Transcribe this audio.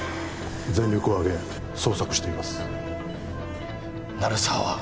全力をあげ捜索しています鳴沢は？